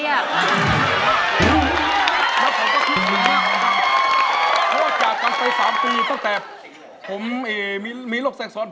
เพราะว่าจากกันไป๓ปีตั้งแต่ผมมีโรคแทรกซ้อน